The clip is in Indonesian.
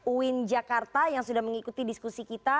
uin jakarta yang sudah mengikuti diskusi kita